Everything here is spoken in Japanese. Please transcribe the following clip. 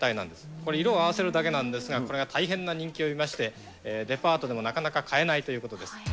これ、色を合わせるだけなんですが、これが大変な人気を呼びまして、デパートでもなかなか買えないということです。